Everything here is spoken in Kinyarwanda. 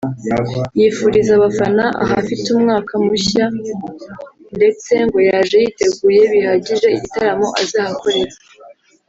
yifuriza abafana ahafite umwaka mushya ndetse ngo yaje yiteguye bihagije igitaramo azahakorera